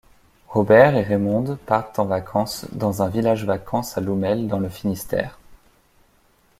Robert et Raymonde partent en vacances dans un village-vacances à Loumel dans le Finistère.